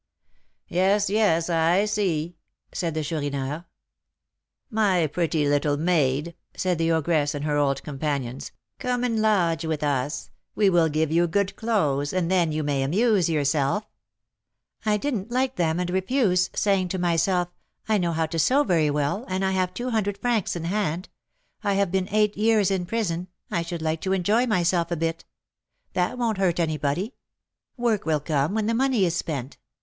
"Yes, yes, I see," said the Chourineur. "'My pretty little maid,' said the ogress and her old companions, 'come and lodge with us; we will give you good clothes, and then you may amuse yourself.' I didn't like them, and refused, saying to myself, 'I know how to sew very well, and I have two hundred francs in hand. I have been eight years in prison, I should like to enjoy myself a bit, that won't hurt anybody; work will come when the money is spent.'